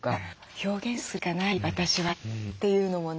「表現するしかない私は」っていうのもね